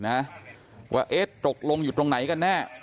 เอ๊ะตกลงอยู่ตรงไหนกันแน่